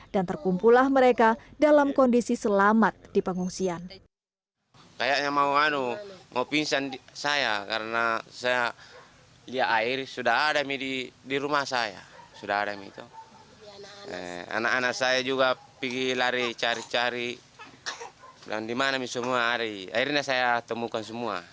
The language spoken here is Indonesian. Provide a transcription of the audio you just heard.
dan terkumpulah mereka dalam kondisi selamat di pengungsian